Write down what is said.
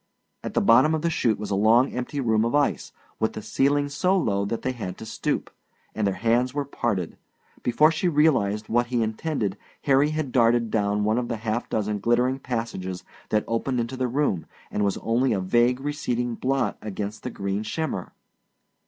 At the bottom of the chute was a long empty room of ice, with the ceiling so low that they had to stoop and their hands were parted. Before she realized what he intended Harry had darted down one of the half dozen glittering passages that opened into the room and was only a vague receding blot against the green shimmer.